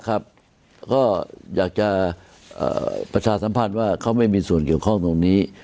ก็อยากจะประชาสัมพันธ์ว่าเขาไม่มีส่วนเกี่ยวข้องตรงนี้